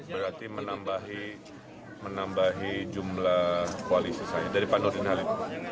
berarti menambahi jumlah koalisi saya dari pak nurdin halid